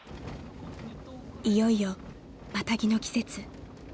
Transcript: ［いよいよマタギの季節］